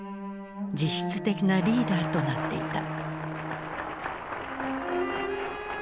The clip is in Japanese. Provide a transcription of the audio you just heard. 実質的なリーダーとなっていた。